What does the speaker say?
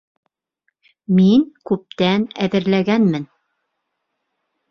Мин күптән әҙерләгәнмен.